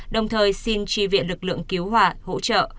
đồng thời xin tri viện lực lượng cứu hỏa hỗ trợ